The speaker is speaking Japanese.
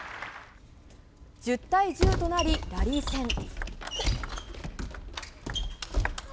１０対１０となりラリー戦。